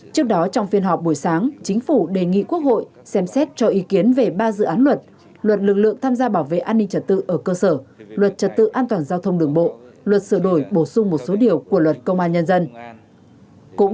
trước đó trong phiên họp buổi sáng chính phủ đề nghị quốc hội xem xét cho ý kiến về ba dự án luật luật lực lượng tham gia bảo vệ an ninh trật tự ở cơ sở luật trật tự an toàn giao thông đường bộ luật sửa đổi bổ sung một số điều của luật công an nhân dân